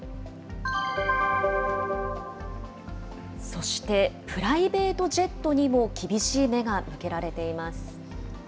そしてプライベートジェットにも、厳しい目が向けられています。